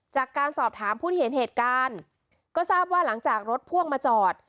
จากการสอบถามผู้ที่เห็นเหตุการณ์ก็ทราบว่าหลังจากรถพ่วงมาจอด